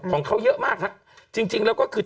ของเขาเยอะมากฮะจริงแล้วก็คือ